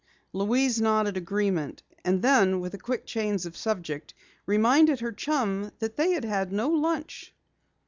Louise nodded agreement, and then with a quick change of subject, reminded her chum that they had had no lunch.